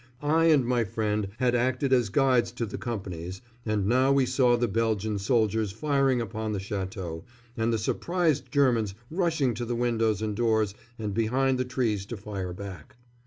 I and my friend had acted as guides to the companies, and now we saw the Belgian soldiers firing upon the château, and the surprised Germans rushing to the windows and doors and behind the trees to fire back.